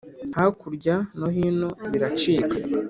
Hakurya nohino biracika